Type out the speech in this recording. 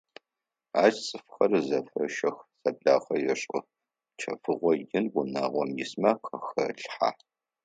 Ащ цӏыфхэр зэфещэх, зэблагъэ ешӏых: чэфыгъо ин унагъом исмэ къахелъхьэ.